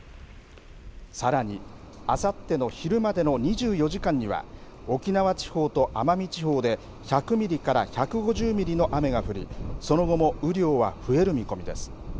さらに、あさっての昼までの２４時間には沖縄地方と奄美地方で１００ミリから１５０ミリの雨が降りその後も雨量は増える見込みです。